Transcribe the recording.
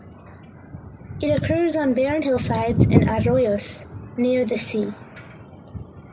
It occurs on barren hillsides and arroyos near the sea.